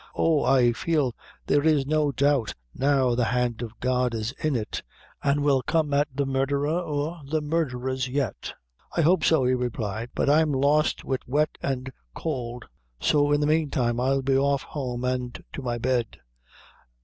Oh, I feel there is no doubt now the hand of God is in it, an' we'll come at the murdher or the murdherers yet." "I hope so," he replied; "but I'm lost Wid wet an' cowld; so in the meantime I'll be off home, an' to my bed.